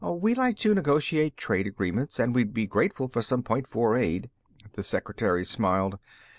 We'd like to negotiate trade agreements and we'd be grateful for some Point Four aid." The secretary smiled.